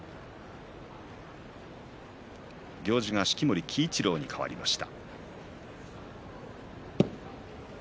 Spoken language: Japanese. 行司は式守鬼一郎に変わりました。